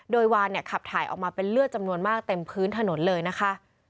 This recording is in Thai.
โดยวานเนี่ยขับถ่ายออกมาเป็นเลือดจำนวนมากเต็มพื้นถนนเลยนะคะ